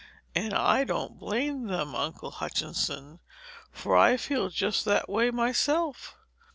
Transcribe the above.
And I don't blame them, Uncle Hutchinson, for I feel just that way myself.